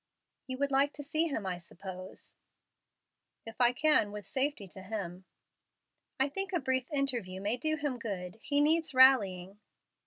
You would like to see him, I suppose." "If I can with safety to him." "I think a brief interview may do him good. He needs rallying."